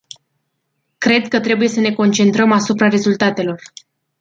Cred că trebuie să ne concentrăm asupra rezultatelor.